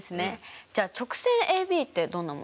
じゃあ直線ＡＢってどんなものですか？